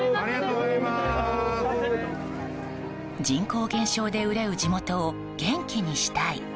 人口減少で憂う地元を元気にしたい。